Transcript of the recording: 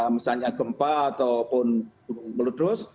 misalnya gempa ataupun meledus